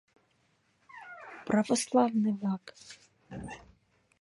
Православный-влак!